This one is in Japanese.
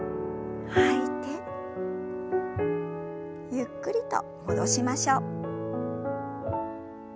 ゆっくりと戻しましょう。